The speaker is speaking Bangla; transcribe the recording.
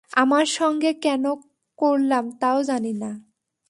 আপনার সঙ্গে কেন করলাম তাও জানি না।